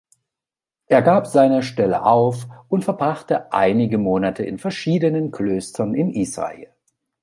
Er gab seine Stelle auf und verbrachte einige Monate in verschiedenen Klöstern in Israel.